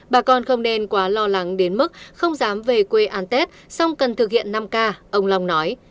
bà con không nên quá lo lắng đến mức không dám về quê an tết song cần thực hiện năm k ông long nói